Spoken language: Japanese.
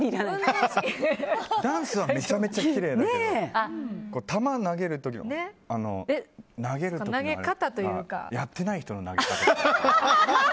ダンスはめちゃめちゃきれいだけど球を投げる時の感じがやってない人の投げ方。